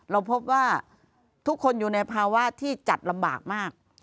เราพบว่าทุกคนอยู่ในภาวะที่จัดลำบากมาก